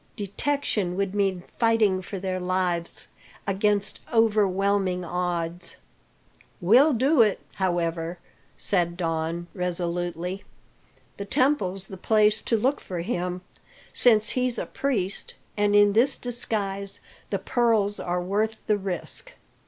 Detection would mean fighting for their lives against overwhelming odds. "We'll do it, however," said Don resolutely. "The temple's the place to look for him, since he's a priest, and in this disguise the pearls are worth the risk."